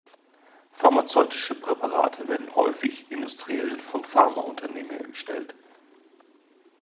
Pharmazeutische Präparate werden häufig industriell von Pharmaunternehmen hergestellt.